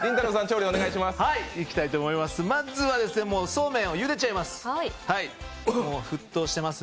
まずはそうめんをゆでちゃいます。